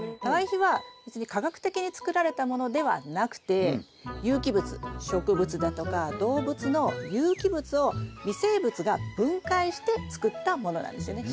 堆肥は別に化学的につくられたものではなくて有機物植物だとか動物の有機物を微生物が分解してつくったものなんですよね。